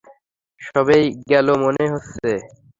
সবেই গেল মনে হচ্ছে।